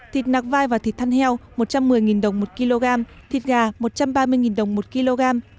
thịt nạc vai và thịt than heo một trăm một mươi đồng một kg thịt gà một trăm ba mươi đồng một kg